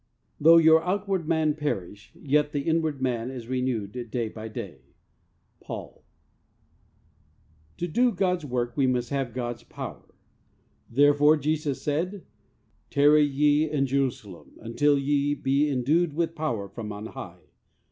Though our outward man perish, yet the in ward man is renewed day by day. — Paul. To do God's work we must have God's power. Therefore Jesus said: "Tarry ye in Jerusalem until ye be endued with power from on high."